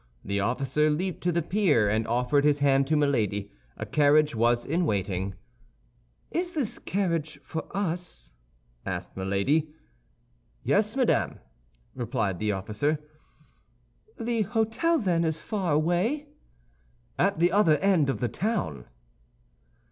The officer leaped to the pier, and offered his hand to Milady. A carriage was in waiting. "Is this carriage for us?" asked Milady. "Yes, madame," replied the officer. "The hôtel, then, is far away?" "At the other end of the town."